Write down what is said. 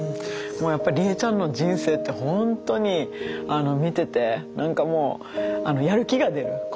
やっぱリエちゃんの人生ってほんとに見てて何かもうやる気が出る。